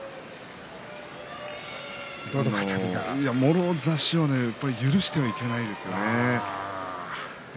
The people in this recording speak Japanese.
もろ差しを許してはいけないですよね。